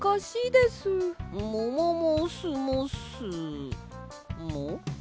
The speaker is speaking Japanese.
もももすもすも？